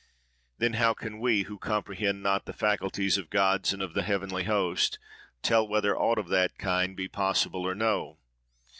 Then, how can we, who comprehend not the faculties of gods and of the heavenly host, tell whether aught of that kind be possible or no?